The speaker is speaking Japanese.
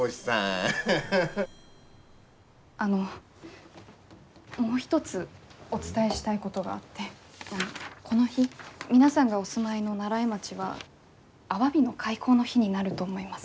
あのもう一つお伝えしたいことがあってこの日皆さんがお住まいの西風町はアワビの開口の日になると思います。